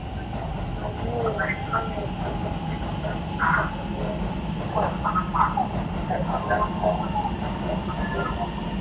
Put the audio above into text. Maeneo yanayoathirika mara nyingi huanzia kwapani nyonga na kusambaa mwilini